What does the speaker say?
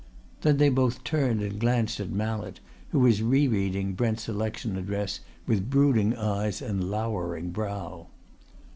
Then they both turned and glanced at Mallett, who was re reading Brent's election address with brooding eyes and lowering brow.